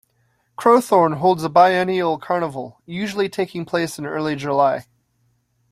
Crowthorne holds a biennial carnival, usually taking place in early July.